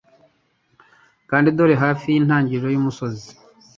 Kandi dore hafi yintangiriro yumusozi